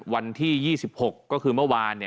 วันที่๒๖ก็คือเมื่อวาน